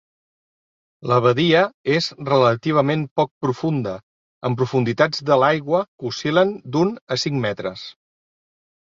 La badia és relativament poc profunda, amb profunditats de l'aigua que oscil·len d'un a cinc metres.